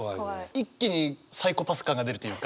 一気にサイコパス感が出るというか。